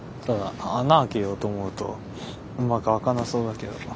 ただ穴開けようと思うとうまく開かなそうだけどな。